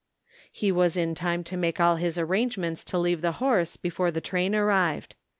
He was in time to make all his arrangements to leave the horse before the train arrived.